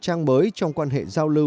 nhiều người đàn ông đã đi rất nhiều